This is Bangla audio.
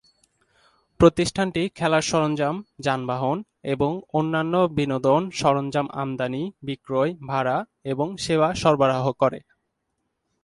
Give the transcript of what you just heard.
প্রতিষ্ঠানটি খেলার সরঞ্জাম, যানবাহন এবং অন্যান্য বিনোদন সরঞ্জাম আমদানি, বিক্রয়, ভাড়া এবং সেবা সরবরাহ করে।